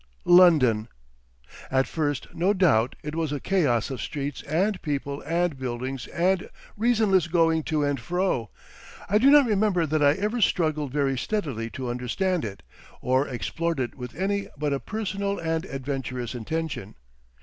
London! At first, no doubt, it was a chaos of streets and people and buildings and reasonless going to and fro. I do not remember that I ever struggled very steadily to understand it, or explored it with any but a personal and adventurous intention.